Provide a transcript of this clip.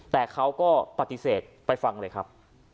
แต่เขาก็ปฏิเสธไปฟังเลยครับ